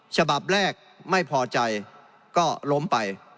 ฉบับแรกไม่พอใจก็ล้มไป